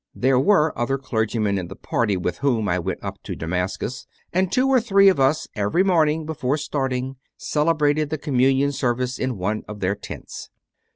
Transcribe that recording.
There were other clergymen in the party with whom I went up to Damascus, and two or three of us, every morning before starting, celebrated the Communion service in one of the tents.